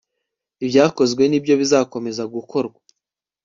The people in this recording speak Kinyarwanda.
ibyakozwe ni byo bizakomeza gukorwa